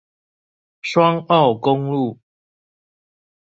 雙澳公路